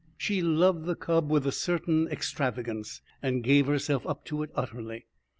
She loved the cub with a certain extravagance, and gave herself up to it utterly.